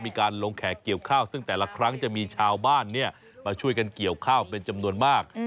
มีการลงแขกเกี่ยวข้าวซึ่งแต่ละครั้งจะมีชาวบ้านมาช่วยกันเกี่ยวข้าวเป็นจำนวนมาก